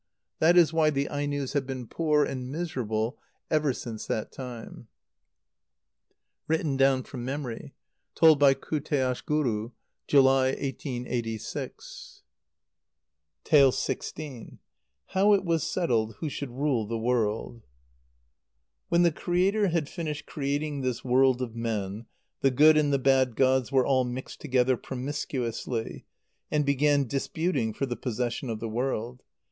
That is why the Ainos have been poor and miserable ever since that time. (Written down from memory. Told by Kuteashguru, July, 1886.) xvi. How it was settled who should rule the World. When the Creator had finished creating this world of men, the good and the bad gods were all mixed together promiscuously, and began disputing for the possession of the world.